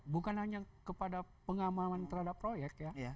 bukan hanya kepada pengamanan terhadap proyek ya